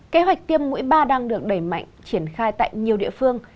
kế hoạch tiêm mũi ba đang được đẩy mạnh triển khai tại nhiều địa phương